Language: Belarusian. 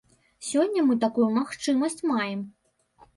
Сёння мы такую магчымасць маем.